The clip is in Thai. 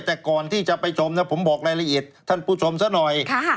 แต่ก่อนที่จะไปชมนะผมบอกรายละเอียดท่านผู้ชมซะหน่อย